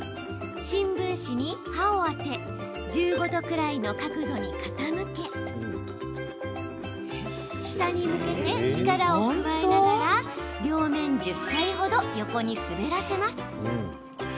新聞紙に刃を当て１５度くらいの角度に傾け下に向けて力を加えながら両面１０回ほど横に滑らせます。